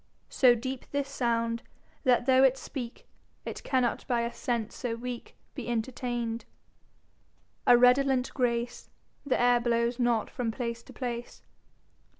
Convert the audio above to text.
So deepe this Sound, that though it speake, It cannot by a Sence so weake Be entertain'd. A Redolent Grace The Aire blowes not from place to place.